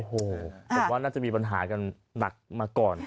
ผมว่าน่าจะมีปัญหากันหนักมาก่อน